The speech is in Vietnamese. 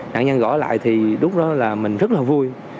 nạn nhân gõ lại thì lúc đó là mình rất là vui